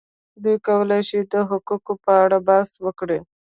دوی کولای شي د حقوقو په اړه بحث وکړي.